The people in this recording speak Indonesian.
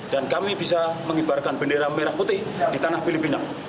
dan kami bisa mengibarkan bendera merah putih di tanah filipina